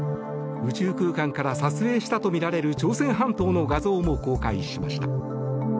宇宙空間から撮影したとみられる朝鮮半島の画像も公開しました。